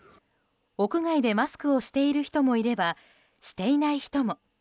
屋外でマスクをしている人もいればしていない人も。